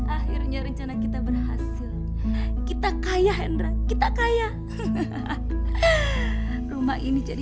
ayo cepat keluar